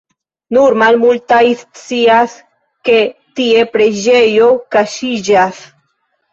Nur malmultaj scias, ke tie preĝejo kaŝiĝas.